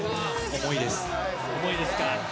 重いですか。